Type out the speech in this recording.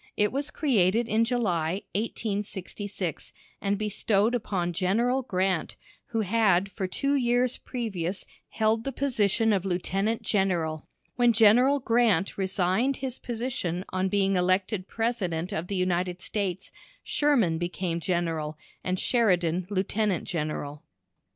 It was created in July, 1866, and bestowed upon General Grant, who had for two years previous held the position of Lieutenant General. When General Grant resigned his position on being elected President of the United States, Sherman became General, and Sheridan Lieutenant General.